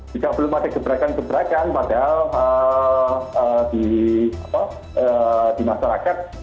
jika belum ada gebrakan gebrakan padahal di masyarakat